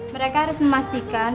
mereka harus memastikan